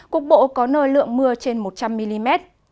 cục bộ có nơi lượng mưa trên một trăm linh mm